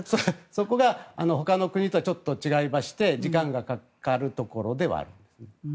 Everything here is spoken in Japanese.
そこがほかの国とちょっと違いまして時間がかかるところではありますね。